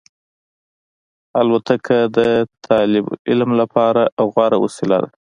الوتکه د طالب علم لپاره غوره وسیله ده.